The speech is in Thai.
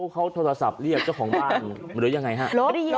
เขาโทรศัพท์เรียกเจ้าของบ้านหรือยังไงฮะ